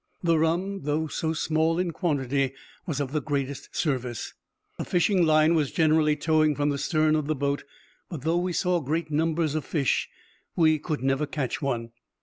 The rum, though so small in quantity, was of the greatest service. A fishing line was generally towing from the stern of the boat, but though we saw great numbers of fish, we could never catch one.